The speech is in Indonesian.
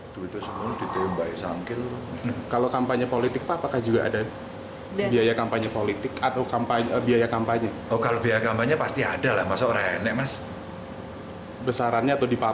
berita besar duitnya semua ditembaki